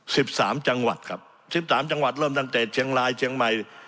สิบสามจังหวัดครับสิบสามจังหวัดเริ่มตั้งแต่เชียงรายเชียงใหม่